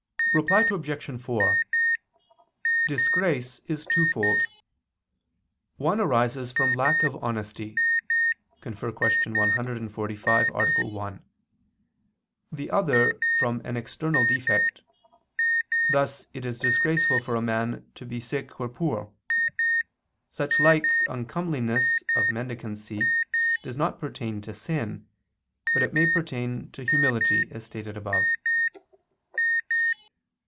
Reply Obj. 4: Disgrace is twofold; one arises from lack of honesty [*Cf. Q. 145, A. 1], the other from an external defect, thus it is disgraceful for a man to be sick or poor. Such like uncomeliness of mendicancy does not pertain to sin, but it may pertain to humility, as stated above.